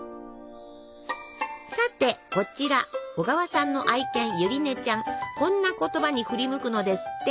さてこちら小川さんの愛犬こんな言葉に振り向くのですって。